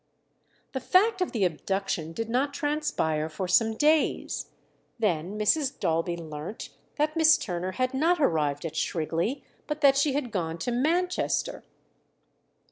The fact of the abduction did not transpire for some days. Then Mrs. Daulby learnt that Miss Turner had not arrived at Shrigley, but that she had gone to Manchester.